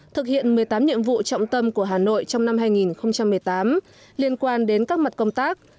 thực hiện một mươi tám nhiệm vụ trọng tâm của hà nội trong năm hai nghìn một mươi tám liên quan đến các mặt công tác